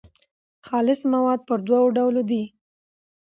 خالص مواد پر دوو ډولو دي.